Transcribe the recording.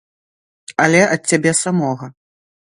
Але ад цябе самога.